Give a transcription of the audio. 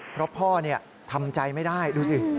เพราะพ่อทำใจไม่ได้ดูสิ